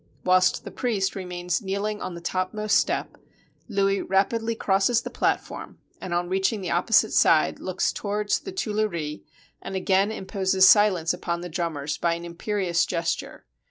Whilst the priest remains kneeling on the topmost step, Louis rapidly crosses the platform, and on reaching the opposite side looks towards the Tuileries, and again im poses silence upon the drummers by an imperious ges ture.